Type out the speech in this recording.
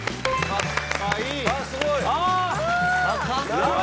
かっこいい！